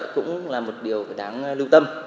cũng là một điều đáng lưu tâm